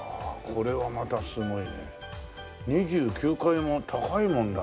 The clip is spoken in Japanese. これはまあすごい。